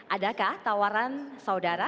adakah tawaran saudara